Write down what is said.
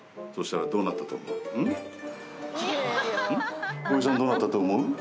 そしたらどうなったと思う？